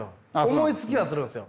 思いつきはするんですよ。